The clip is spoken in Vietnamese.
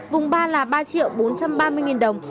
vùng hai là ba chín trăm hai mươi đồng